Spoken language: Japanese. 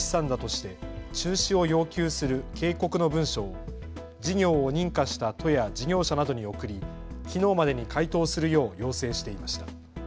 して中止を要求する警告の文書を事業を認可した都や事業者などに送り、きのうまでに回答するよう要請していました。